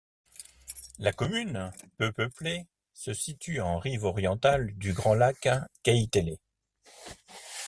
La commune, peu peuplée, se situe en rive orientale du grand lac Keitele.